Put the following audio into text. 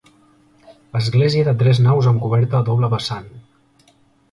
Església de tres naus amb coberta a doble vessant.